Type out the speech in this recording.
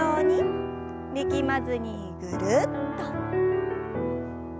力まずにぐるっと。